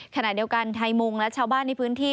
ขณะเดียวกันไทยมุงและชาวบ้านในพื้นที่